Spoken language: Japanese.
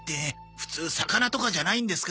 普通魚とかじゃないんですか？